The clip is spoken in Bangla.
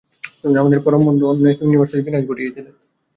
তুমি, আমাদের পরম বন্ধু, অন্য এক ইউনিভার্সের বিনাশ ঘটিয়েছিলে।